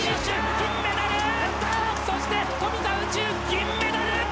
金メダル！そして富田宇宙、銀メダル！